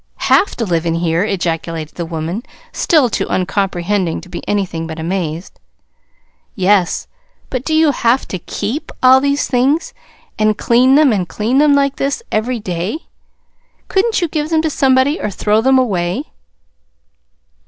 "'Have to live in here'!" ejaculated the woman, still too uncomprehending to be anything but amazed. "Yes. But do you have to KEEP all these things, and clean them and clean them, like this, every day? Couldn't you give them to somebody, or throw them away?"